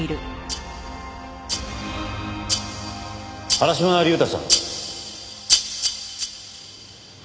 原島隆太さん。